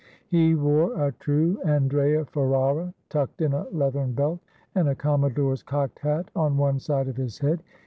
He wore a true Andrea Ferrara, tucked in a leathern belt, and a commodore's cocked hat on one side of his head.